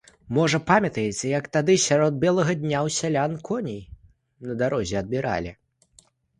Можа, памятаеце, як тады сярод белага дня ў сялян коней на дарозе адбіралі.